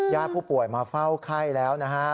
ผู้ป่วยมาเฝ้าไข้แล้วนะฮะ